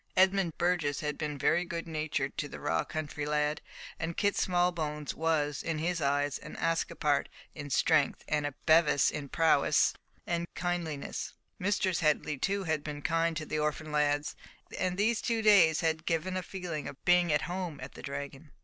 Edmund Burgess had been very good natured to the raw country lad, and Kit Smallbones was, in his eyes, an Ascapart in strength, and a Bevis in prowess and kindliness. Mistress Headley too had been kind to the orphan lads, and these two days had given a feeling of being at home at the Dragon.